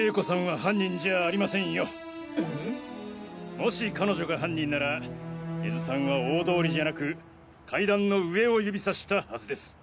もし彼女が犯人なら根津さんは大通りじゃなく階段の上を指差したはずです。